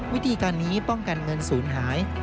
วิธีการนี้ป้องกันเงินศูนย์หาย